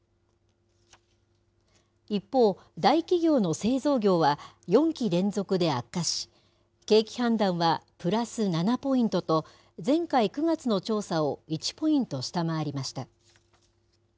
一方、大企業の製造業は４期連続で悪化し、景気判断はプラス７ポイントと、前回・９月の調査を１ポイント下回りました。